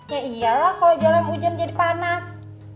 ya iyalah kalau jalan hujan jadi panas